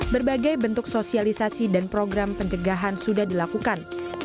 berbagai bentuk sosialisasi dan program pencegahan sudah dilakukan